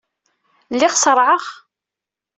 Lliɣ ṣerɛeɣ.